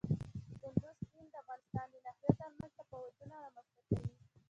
کندز سیند د افغانستان د ناحیو ترمنځ تفاوتونه رامنځ ته کوي.